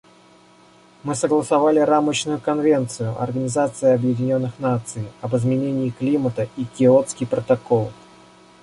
Мы согласовали Рамочную конвенцию Организации Объединенных Наций об изменении климата и Киотский протокол.